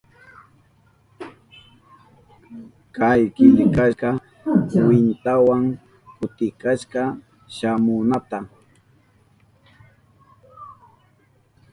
Kay killkaka kwintawan kutikashka shamunanta.